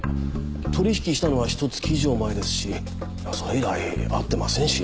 取引したのはひと月以上前ですしそれ以来会ってませんし。